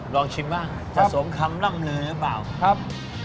ลองชิมบ้างจะสมคำล่ำลือหรือเปล่าครับ